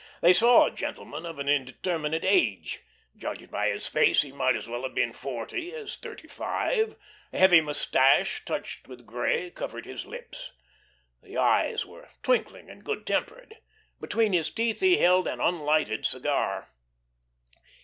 They saw a gentleman of an indeterminate age judged by his face he might as well have been forty as thirty five. A heavy mustache touched with grey covered his lips. The eyes were twinkling and good tempered. Between his teeth he held an unlighted cigar.